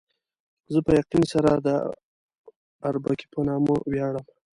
زه په یقین سره د اربکي په نامه ویاړم.